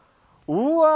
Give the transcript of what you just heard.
うわ！